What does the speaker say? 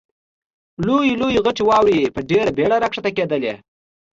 لویې لویې غټې واورې په ډېره بېړه را کښته کېدلې.